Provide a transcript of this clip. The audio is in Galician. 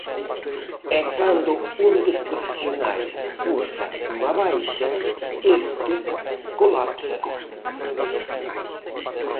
E cando un dos profesionais cursa unha baixa, este colapsa.